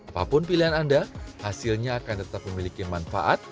apapun pilihan anda hasilnya akan tetap memiliki manfaat